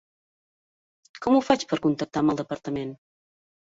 I com ho faig per contactar al departament?